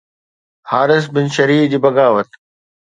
حارث بن شريح جي بغاوت